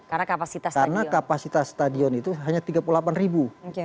karena kapasitas stadion itu hanya tiga puluh delapan ribu